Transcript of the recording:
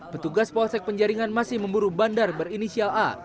petugas polsek penjaringan masih memburu bandar berinisial a